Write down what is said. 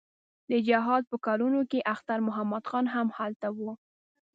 د جهاد په کلونو کې اختر محمد خان هم هلته و.